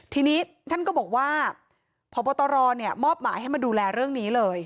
ทีนี้ท่านก็บอกว่าพบตรมอบหมายให้มาดูแลเรื่องนี้เลย